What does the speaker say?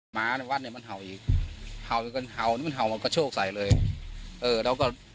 หมาในวัดเนี้ยมันเห่าอีกเห่ามันเห่ามันเห่ามาก็โชคใสเลยเออแล้วก็